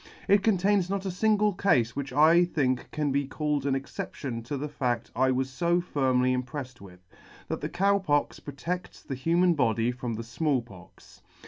It contains not a Angle cafe which I think can be called an exception to the fadt I was fo firmly imprefled with — that the Cow Pox protects the "human body [ 71 1 body from the Small Pox.